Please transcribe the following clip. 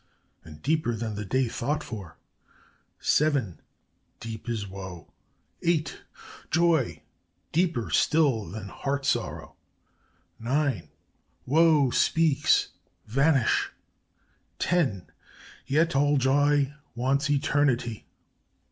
"'And deeper than the day thought for.' "'SEVEN! "'Deep is its woe, ' "'EIGHT! "'Joy, deeper still than heart sorrow.' "'NINE! "'Woe speaks: Vanish!' "'TEN! "'Yet all joy wants eternity